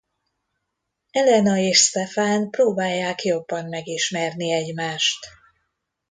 Elena és Stefan próbálják jobban megismerni egymást.